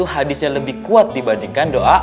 hadisnya lebih kuat dibandingkan doa